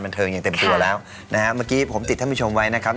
เทิงอย่างเต็มตัวแล้วนะฮะเมื่อกี้ผมติดท่านผู้ชมไว้นะครับ